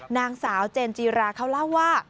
นางสาวเจนจีราเขาเล่าว่า